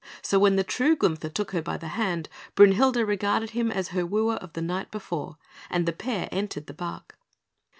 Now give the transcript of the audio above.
So when the true Gunther took her by the hand, Brünhilde regarded him as her wooer of the night before, and the pair entered the barque.